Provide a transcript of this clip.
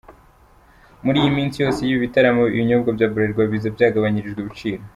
Muri iyi minsi yose y’ibi bitaramo, ibinyobwa bya Bralirwa biza byagabanyirijwe ibiciro.